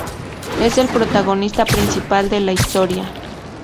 Es el protagonista principal de la historia.